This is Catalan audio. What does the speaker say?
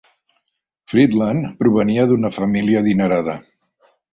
Friedland provenia d'una família adinerada.